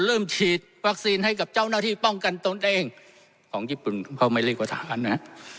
เริ่มฉีดวัคซีนให้กับเจ้าหน้าที่ป้องกันตนเองของญี่ปุ่นเขาไม่เรียกว่าทหารนะ